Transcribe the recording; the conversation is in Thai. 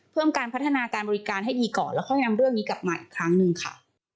เพิ่มการพัฒนาการบริการให้ดีก่อนแล้วค่อยนำเรื่องนี้กลับมาอีกครั้งหนึ่งค่ะ